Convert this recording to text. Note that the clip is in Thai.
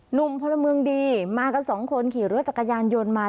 หนุ่มพลเมืองดีมากันสองคนขี่รถจักรยานยนต์มา